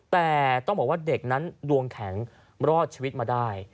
แต่ต้องบอกว่าเด็กนั้นดวงแข็งรอดชีวิตมาได้